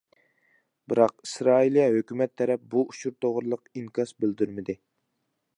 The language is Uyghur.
بىراق ئىسرائىلىيە ھۆكۈمەت تەرەپ بۇ ئۇچۇر توغرىلىق ئىنكاس بىلدۈرمىدى.